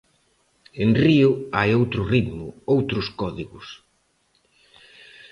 En Río hai outro ritmo, outros códigos...